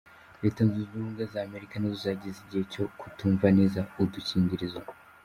Leta Zunze Ubumwe za Amerika nazo zagize igihe cyo kutumva neza udukingirizo.